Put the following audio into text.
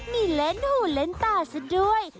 มีเล่นหูเล่นตาซะด้วย